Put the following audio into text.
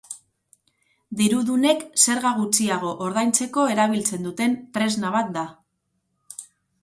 Dirudunek zerga gutxiago ordaintzeko erabiltzen duten tresna bat da.